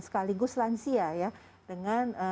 sekaligus lansia ya dengan